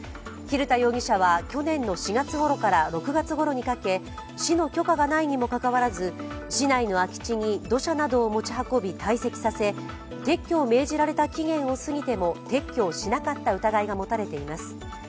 蛭田容疑者は去年の４月頃から６月頃にかけ市の許可がないにもかかわらず市内の空き地に土砂などを持ち運び堆積させ撤去を命じられた期限を過ぎても撤去をしなかった疑いが持たれています。